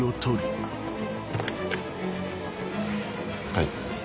はい。